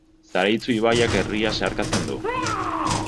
Zaraitzu ibaiak herria zeharkatzen du.